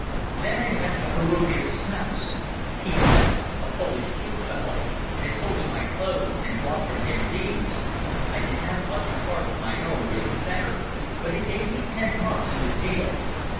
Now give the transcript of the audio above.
Then I met a Peruvian smouse, and sold him my clothes and bought from him these. I did not want to part with my own, which were better, but he gave me ten marks on the deal.